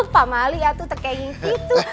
pak mali itu terkenggik itu